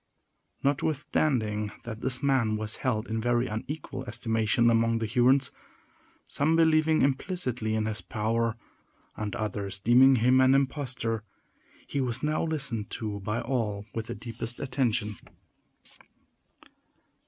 Notwithstanding this man was held in very unequal estimation among the Hurons, some believing implicitly in his power, and others deeming him an impostor, he was now listened to by all with the deepest attention.